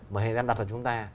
mà đang đặt vào chúng ta